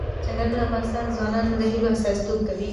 چنګلونه د افغان ځوانانو د هیلو استازیتوب کوي.